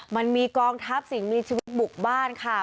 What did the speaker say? มันมีกองทัพสิ่งมีชีวิตบุกบ้านค่ะ